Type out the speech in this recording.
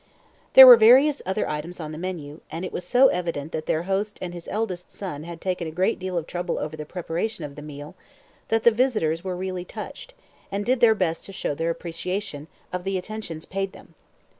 There were various other items on the menu, and it was so evident that their host and his eldest son had taken a great deal of trouble over the preparation of the meal, that the visitors were really touched, and did their best to show their appreciation of the attentions paid them.